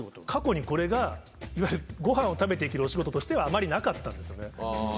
過去にこれが、いわゆるごはんを食べていけるお仕事としてはあまりなかったんですよね。